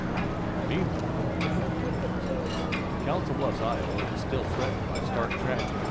"Meanwhile," the commentator was saying, "Council Bluffs, Iowa, was still threatened by stark tragedy.